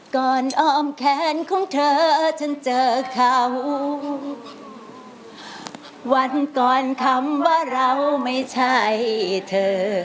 อ้อมแขนของเธอฉันเจอเขาวันก่อนคำว่าเราไม่ใช่เธอ